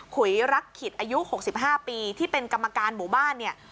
ขุยรักขิตอายุ๖๕ปีที่เป็นกรรมการหมู่บ้านเนี่ย